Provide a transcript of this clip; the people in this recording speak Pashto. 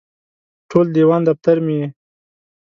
ټول دیوان دفتر مې یې